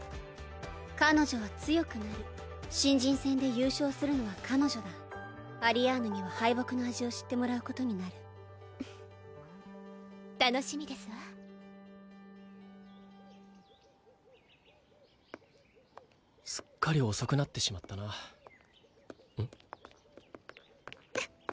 彼女は強くなる新人戦で優勝するのは彼女だアリアーヌには敗北の味を知ってもらうことになる楽しみですわすっかり遅くなってしまったなうん？